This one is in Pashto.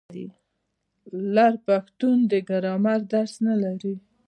لر پښتون د ګرامر درس نه لري.